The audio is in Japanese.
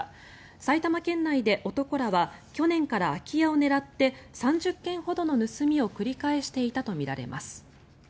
埼玉県内で男らは去年から空き家を狙って３０件ほどの盗みを繰り返していたとみられます。